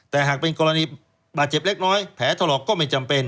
แต่หากเป็นกรณีบาดเจ็บเล็กน้อยแผลถลอกก็ไม่จำเป็น